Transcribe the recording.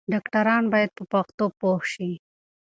ډاکټران بايد په پښتو پوه شي.